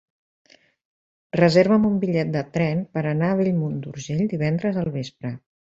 Reserva'm un bitllet de tren per anar a Bellmunt d'Urgell divendres al vespre.